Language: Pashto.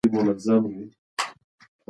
پنځه دقیقې په طبیعي فضا کې بس دي.